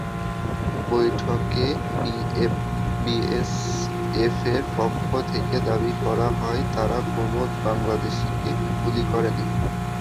বৈঠকে বিএসএফের পক্ষ থেকে দাবি করা হয়, তারা কোনো বাংলাদেশিকে গুলি করেনি।